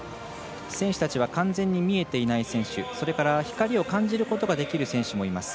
選手たちは完全に見えていない選手それから光を感じることができる選手もいます。